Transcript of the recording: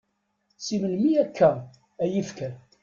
Si melmi akka, ay ifker?